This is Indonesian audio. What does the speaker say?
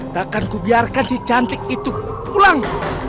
takkan ku biarkan si cantik itu pulang